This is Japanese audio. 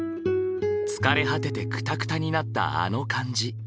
疲れ果ててクタクタになったあの感じ。